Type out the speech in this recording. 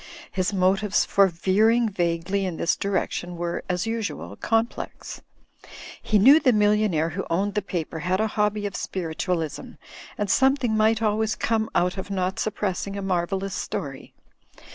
His motives for veering vaguely in this direc tion were, as usual, complex. He knew the millionaire who owned the paper had a hobby of Spiritualism, and something might always come out of not suppressing a marvellous story.